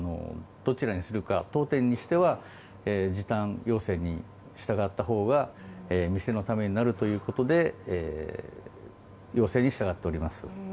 どちらにするか、当店にしては時短要請に従った方が店のためになるということで要請に従っております